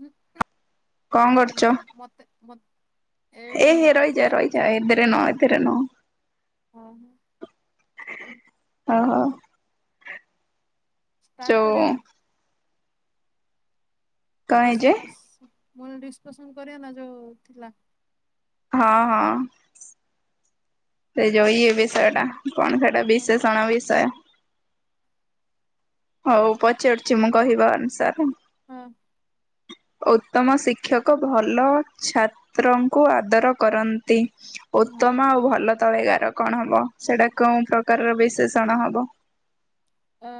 ହଁ କଣ କରୁଛ? ହୁଁ ମତେ ମ ଏ ଏଇଠି ରହିଯାଏ ଶୋଇଚ ରହିଯାଏ। ଏ ଧରେ ନୁହ ଏ ଧରେ ନ ହଁ ହଁ। ଓ ହୋ। ଷ୍ଟାର୍ଟ କରିବା ନା? କଣ ହେଇଛି ଡିସକସ ମନେ ଡିସକସନ କରିବା ନା ଯୋଉ ଥିଲା? ହଁ ହଁ। ସେ ଯଉ ଇଏ ବିଷୟ ଟା କଣ ସେଟା ହଁ ବିଷେଷଣ ବିଷୟ। ହଉ ପଚାରୁଚି ମୁଁ କହିବା ଅନୁସାରେ ହଁ। ଉତ୍ତମ ଶିକ୍ଷକ ଭଲ ଛାତ୍ରଙ୍କୁ ଆଦର କରନ୍ତି। ହଁ ଉତ୍ତମ ଆଉ ଭଲ ତଳେଗାର କଣ ହବ ସେଇଟା କଉ ପ୍ରକାରର ବିଶେଷଣ ହବ? ଅ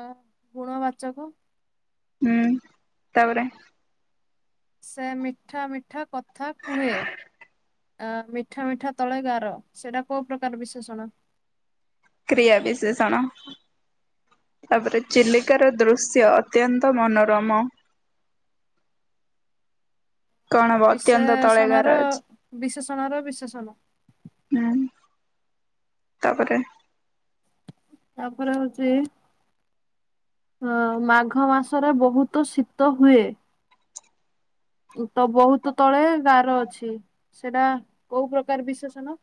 ଗୁଣ ବାଚକ ହୁଁ ତାପରେ ସେ ମିଠା ମିଠା କଥା କୁହେ। ଆ ମିଠା ମିଠା ତଳେ ଗାର ସେଇଟା କୋଉ ପ୍ରକାର ବିଶେଷଣ? କ୍ରିୟା ବିଶେଷଣ। ତାପରେ ଚିଲିକାର ଦୃଶ୍ୟ ଅତ୍ୟନ୍ତ ମନୋରମ। [inaudible] କଣ ହବ ଅତ୍ୟନ୍ତ ତଳେଗାର ବିଶେଷଣର ଅଛି ବିଶେଷଣ ର ବିଶେଷଣ। ହୁଁ ତାପରେ? ତାପରେ ହଉଚି ହଁ ମାଘ ମାସରେ ବହୁତ ଶୀତ ହୁଏ। ତ ବହୁତ ତଳେ ଗାର ଅଛି ସେଟା କୋଉ ପ୍ରକାର ବିଶେଷଣ? [inaudible]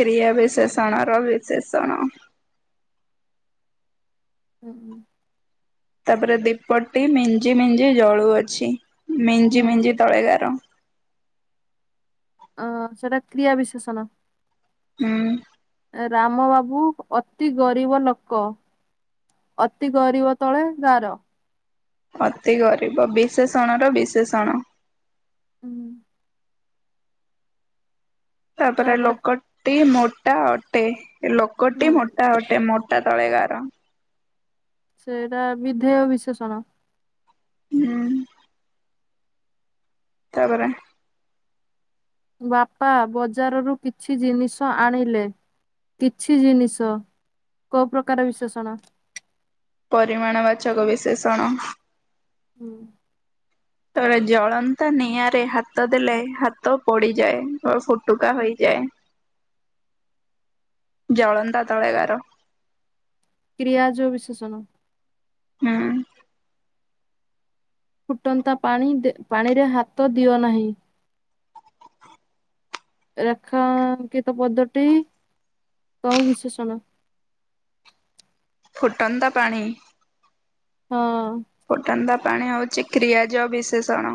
କ୍ରିୟା ବିଶେଷଣର ବିଶେଷଣ ଉଁ ହୁଁ। ତାପରେ ଦୀପଟି ମିଞ୍ଜି ମିଞ୍ଜି ଜଳୁଅଛି। ମିଞ୍ଜି ହୁଁ ମିଞ୍ଜି ତଳେ ଗାର। ଅ ସେଟା କ୍ରିୟା ବିଶେଷଣ। ହୁଁ। ରାମ ବାବୁ ଅତି ଗରିବ ଲୋକ। ଅତି ଗରିବ ତଳେ ଗାର। ଅତି ଗରିବ ବିଶେଷଣର ବିଶେଷଣ। ଉଁ। ତାପରେ ଲୋକଟି ମୋଟା ଅଟେ ହୁଁ ଲୋକଟି ମୋଟା ଅଟେ ମୋ ତା ତଳେ ଗାର। ସେଇଟା ବିଧେୟ ବିଷେଶଣ। ହୁଁ। ତାପରେ ବାପା ବଜାରରୁ କିଛି ଜିନିଷ ଆଣିଲେ। କିଛି ଜିନିଷ କୋଉ ପ୍ରକାର ବିଶେଷଣ? ପରିମାଣ ବାଚକ ବିଶେଷଣ। ହୁଁ। ତଳେ ଜଳତା ନିଆଁରେ ହାତ ଦେଲେ ହାତ ପଡିଯାଏ [unintelligible] ଫୁଟୁକା ହୋଇଯାଏ। ଜଳନ୍ତା ତଳେଗାର। କ୍ରିୟାଯୋ ବିଶେଷଣ। ହୁଁ। ଫୁଟନ୍ତା ପାଣି ଦେ ପାଣିରେ ହାତ ଦିଅ ନାହିଁ। ରେଖାଙ୍କିତ ପଦଟି କଉ ବିଶେଷଣ? [inaudible] ଲୁଟନ୍ତା ପାଣି। ହଁ। ଫୁଟନ୍ତା ପାଣି ହଉଚି କ୍ରୀୟଜ ବିଷେସଣ।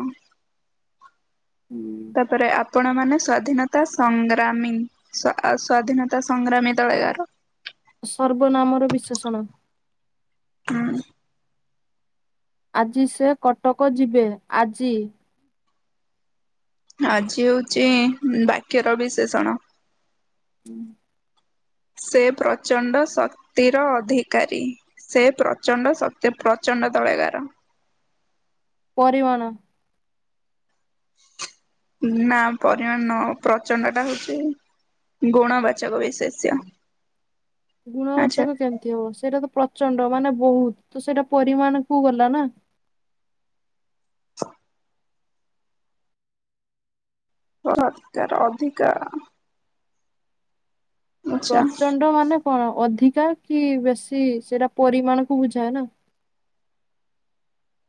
ତାପରେ, ଆପ ଆପଣ ମାନେ ସ୍ଵାଧୀନତା ସଂଗ୍ରାମୀ, ସ ସ୍ଵାଧୀନତା ସଂଗ୍ରାମୀ ତଳେଗାର। ସର୍ବନାମର ବିଶେଷଣ। ହୁଁ। ଆଜି ଆଜି ହଉଛି ବାକ୍ୟର ବି ଉଁ ହୁଁ। ସେ ପ୍ରଚଣ୍ଡ ଶକ୍ତିର ଅଧିକାରୀ। ସେ ପ୍ରଚଣ୍ଡ ଶକ୍ତି ପ୍ର ଚଣ୍ଡ ତଳେ ଗାର। ପରିିମାଣ। [inaudible] ନା ପରିମାଣ ନ ପ୍ରଚଣ୍ଡ ଟା ହଉଚି ଗୁଣ ବାଚକ ବିସେଷ୍ୟ। ଗୁଣବାଚକ କେମିତି ହବ! ସେଇଟା ତ ପ୍ରଚଣ୍ଡ ମାନେ ବହୁତ ତ ସେଇଟା ପରିମାଣ କୁ ଗଲା ନା। ଅଧିକାର। ଆଚ୍ଛା ପ୍ରଚଣ୍ଡ ମାନେ କଣ ଅଧି କା କି ବେଶୀ ସେଇଟା ପରିମାଣ କୁ ବୁଝାଏ ନା।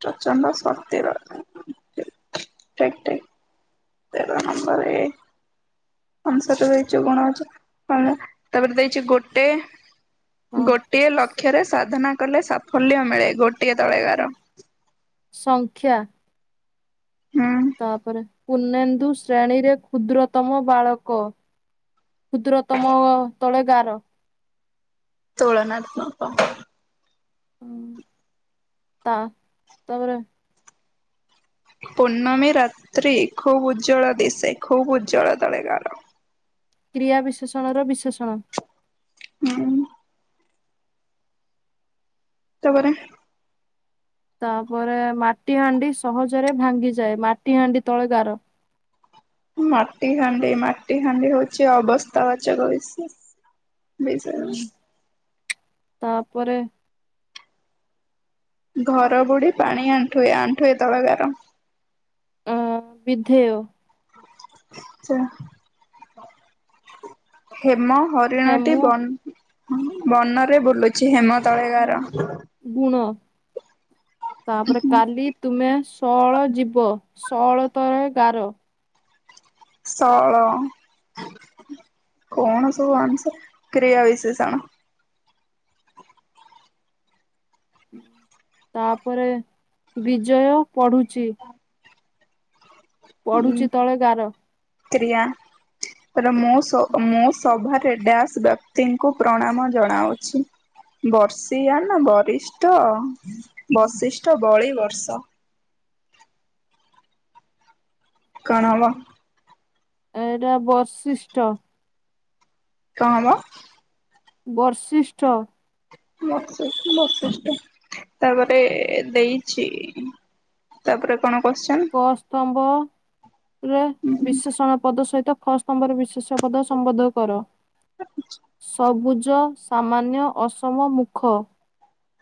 ପ୍ରଚଣ୍ଡ ସକ୍ତିର ଠିକ୍ ଠିକ୍। ତେର ନମ୍ବର ଏ। ପାଞ୍ଚ ତ ଦେଇଚୁ ଗୁଣ ଅଛି! ହଁ ତାପରେ ଦେଇଛି ଗୋଟେ ହଁ ଗୋଟିଏ ଲକ୍ଷ୍ୟରେ ସାଧନା କଲେ ସାଫଲ୍ୟ ମିଳେ। ଗୋଟିଏ ତଳେଗାର। ସଂଖ୍ୟା ହୁଁ ତାପରେ ପୂର୍ଣ୍ଣେନ୍ଦୁ ଶ୍ରେଣୀରେ କ୍ଷୁଦ୍ରତମ ବାଳକ। କ୍ଷୁଦ୍ର ତମ ତଳେ ଗାର। ତୁଳନାତ୍ମକ। ଉଁ ତା ତାପରେ ପୂର୍ଣ୍ଣମୀ ରାତ୍ରି ଖୁବ ଉଜ୍ଜଳ ଦିଶେ। ଖୁବ ଉଜ୍ଜଳା ତଳେ ଗାର। କ୍ରିୟା ବିଶେଷଣର ବିଶେଷଣ। ହୁଁ। ତାପରେ? ତାପରେ ମାଟି ହାଣ୍ଡି ସହଜରେ ଭାଙ୍ଗିଯାଏ। ମାଟି ହାଣ୍ଡି ତଳେ ଗାର। ମାଟି ହାଣ୍ଡି ମାଟି ହାଣ୍ଡି ହୋଉଚି ଅବସ୍ଥାବାଚକ ବିଶେଷ। ବିଶେଷ। ତାପରେ ଘର ବୁଢୀ ପାଣି ଆଣ୍ଠୁଏ ଆଣ୍ଠୁଏ ତଳେ ଗାର। ଆଁ ବିଧେଓ। ଚା ହେମ ହରିଣଟି ହେମ ବନ୍ ହ ବନରେ ବୁଲୁଚି ହେମ ତଳେ ଗାର। ଗୁଣ ତାପରେ କାଲି ତୁମେ ଶଅଳ ଯିବ ଶଅଳ ତଳେ ଗାର। ସଅଳ। କଣ ସବୁ ଅଂସାର କ୍ରିୟା ବିଶେଷଣ। ତାପରେ ବିଜୟ ପଢୁଛି। ପଢୁଛି ତଳେ ଗାର। କିୟା ର ମୁଁ ସୋ ମୁଁ ସଭାରେ ରେ ଡାସ୍ ବ୍ୟକ୍ତିଙ୍କୁ ପ୍ରଣାମ ଜଣାଉଛି। ବର୍ଷିଆ ନା ବରିଷ୍ଠ ବଶିଷ୍ଟ ବଳି ବର୍ଷ। କଣ ହବ ଏଇଟା ବର୍ଶିଷ୍ଟ। କଣ ହବ? ବର୍ଶିଷ୍ଠ। ମ ବର୍ଷିଷ୍ଠ ତାପରେ ଦେଇଚି ତାପରେ କଣ କୋଶ୍ଚେନ୍ କ ସ୍ତମ୍ଭରେ ହୁଁ ହୁଁ ବିଶେଷଣ ପଦ ସହିତ ଖ ସ୍ତମ୍ଭରେ ବିଶେଷ୍ୟ ପଦ ସମ୍ବୋଧ କର। [inaudible] ଅଭୁଜ ସାମାନ୍ୟ ଅସମ ମୁଖ।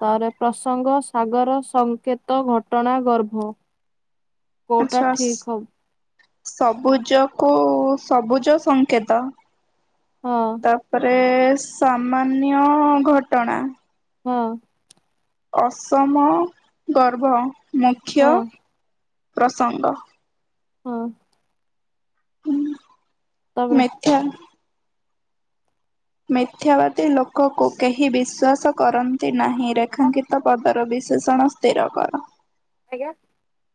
ତାର ପ୍ରସଙ୍ଗ ସାଗର ସଂକେତ ଘଟଣା ଗର୍ଭ କୋଉଟା ଆଚ୍ଛା ଠିକ ହବ? ସବୁଜକୁ ସବୁଜ ସଂଙ୍କେତ ହଁ ତାପରେ ସାମାନ୍ୟ ଘଟଣା। ହଁ। ଅସମ ଗର୍ଭ ହଁ ମୁଖ୍ୟ ପ୍ରସଙ୍ଗ ହଁ। ତାପରେ ମେଥା ମିଥ୍ୟାବାଦୀ ଲୋକକୁ କେହି ବିଶ୍ଵାସ କରନ୍ତି। ନାହିଁ ରେଖାଙ୍କିତ ପଦର ବିଶେଷଣ ସ୍ଥିର କର। [unintelligible]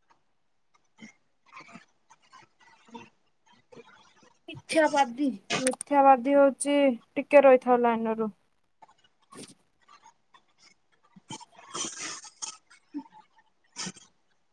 ପଇଛା ପାଧି। ମିଥ୍ୟା ବାଧି ହଉଛି ଟିକେ ରହିଥାଉ ଲାଇନ ରୁହ [inaudible] [inaudible]